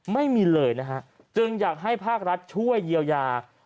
ไม่มีเลยนะฮะจึงอยากให้ภาครัฐช่วยเยียวยา